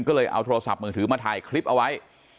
ก็เลยเอาโทรศัพท์มือถือมาถ่ายคลิปเอาไว้